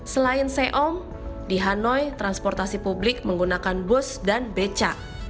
selain seom di hanoi transportasi publik menggunakan bus dan beca